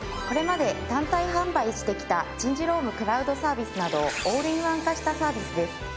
これまで単体販売してきた人事労務クラウドサービスなどをオールインワン化したサービスです。